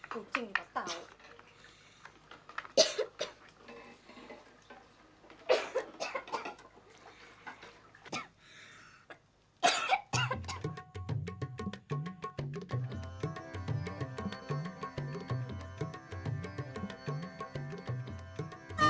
kucing juga tahu